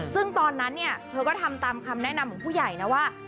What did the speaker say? ซึ่งตอนนั้นเนี่ยเธอก็ทำตามคำแนะนำของผู้ใหญ่นะว่า